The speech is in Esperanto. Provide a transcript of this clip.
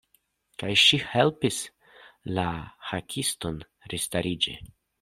Kaj ŝi helpis la Hakiston restariĝi.